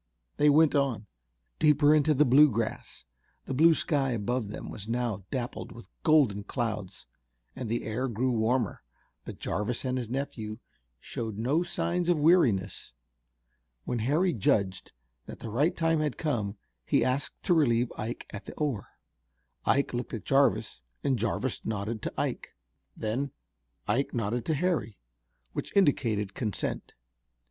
They went on, deeper into the Bluegrass. The blue sky above them was now dappled with golden clouds, and the air grew warmer, but Jarvis and his nephew showed no signs of weariness. When Harry judged that the right time had come he asked to relieve Ike at the oar. Ike looked at Jarvis and Jarvis nodded to Ike. Then Ike nodded to Harry, which indicated consent.